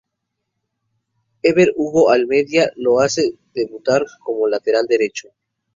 Ever Hugo Almeida lo hace debutar como lateral derecho.